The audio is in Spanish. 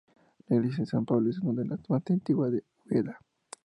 La iglesia de San Pablo es una de las más antiguas de Úbeda.